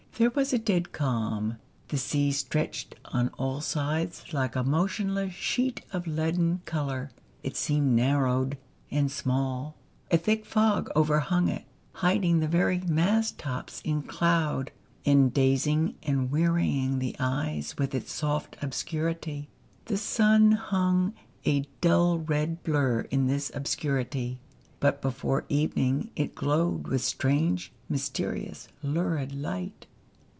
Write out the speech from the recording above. There was a dead calm. The sea stretched on all sides like a motionless sheet of leaden colour. It seemed narrowed and small ; a thick fog overhung it, hiding the very mast tops in 317 POEMS IN PROSE cloud, and dazing and wearying the eyes with its soft obscurity. The sun hung, a dull red blur in this obscurity ; but before evening it glowed with strange, mysterious, lurid light.